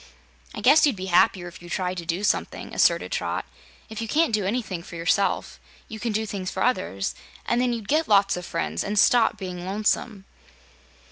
"I guess you'd be happier if you tried to do something," asserted Trot. "If you can't do anything for yourself, you can do things for others, and then you'd get lots of friends and stop being lonesome."